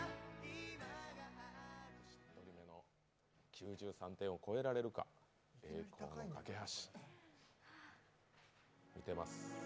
９３点を超えられるか「栄光の架橋」。